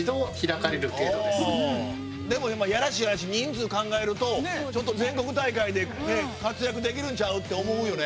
でも今やらしい話人数考えると全国大会で活躍できるんちゃう？って思うよね。